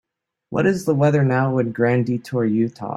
What is the weather now in Grand Detour, Utah